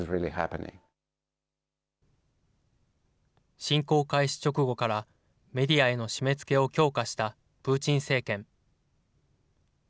侵攻開始直後からメディアへの締めつけを強化したプーチン政権。